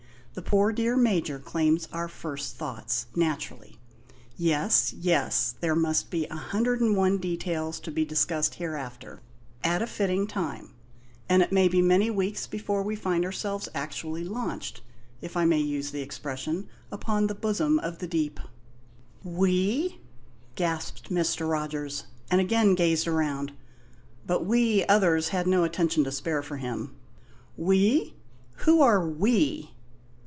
The poor dear Major claims our first thoughts, naturally. Yes, yes; there must be a hundred and one details to be discussed hereafter at a fitting time; and it may be many weeks before we find ourselves actually launched if I may use the expression upon the bosom of the deep." "We?" gasped Mr. Rogers, and again gazed around; but we others had no attention to spare for him. "We? Who are 'we'?"